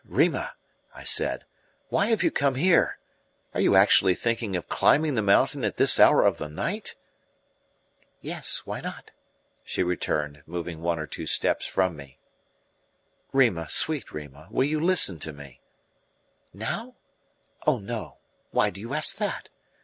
"Rima," I said, "why have you come here? Are you actually thinking of climbing the mountain at this hour of the night?" "Yes why not?" she returned, moving one or two steps from me. "Rima sweet Rima, will you listen to me?" "Now? Oh, no why do you ask that?